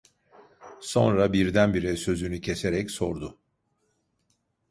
Sonra, birdenbire sözünü keserek sordu: